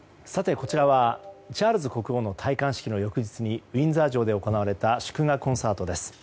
こちらはチャールズ国王の戴冠式の翌日にウィンザー城で行われた祝賀コンサートです。